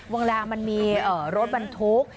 วังลามันมีรถบรรทุก